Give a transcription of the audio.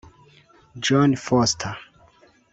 Jon Foster